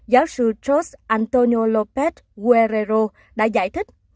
giáo sư george antonio lopez guerrero đã giải thích